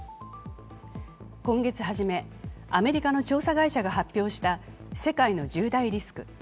今月初め、アメリカの調査会社が発表した「世界の１０大リスク」。